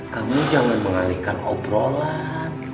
kamu jangan mengalihkan obrolan